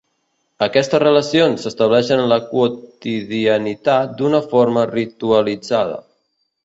Aquestes relacions s'estableixen en la quotidianitat d'una forma ritualitzada.